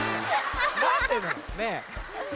ねえ。